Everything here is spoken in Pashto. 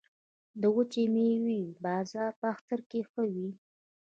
د وچې میوې بازار په اختر کې ښه وي